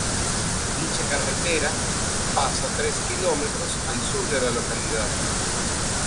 Dicha carretera pasa tres kilómetros al sur de la localidad.